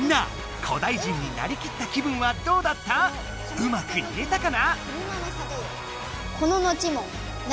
うまく言えたかな？